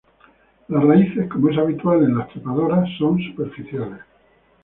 Las raíces, como es habitual en las trepadoras, son superficiales.